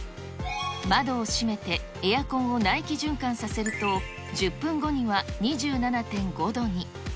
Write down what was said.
窓を閉めて、エアコンを内気循環させると、１０分後には２７．５度に。